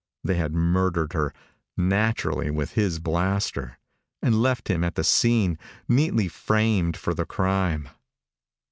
They had murdered her naturally with his blaster and left him at the scene, neatly framed for the crime.